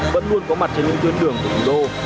vẫn luôn có mặt trên những tuyến đường của thủ đô